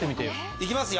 いきますよ。